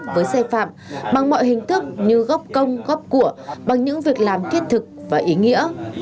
với xe phạm bằng mọi hình thức như góp công góp của bằng những việc làm thiết thực và ý nghĩa